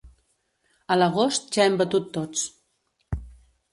A l'agost ja hem batut tots.